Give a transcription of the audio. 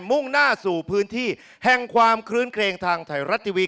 มุ่งหน้าสู่พื้นที่แห่งความคลื้นเครงทางไทยรัฐทีวี